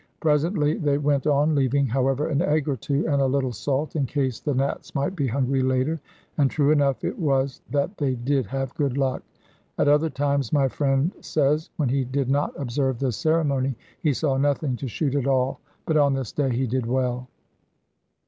Presently they went on, leaving, however, an egg or two and a little salt, in case the Nats might be hungry later, and true enough it was that they did have good luck. At other times, my friend says, when he did not observe this ceremony, he saw nothing to shoot at all, but on this day he did well.